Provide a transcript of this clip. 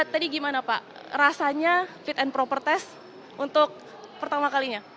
tadi gimana pak rasanya fit and proper test untuk pertama kalinya